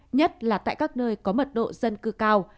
nhất là tại các nơi có mật độ dân cư cao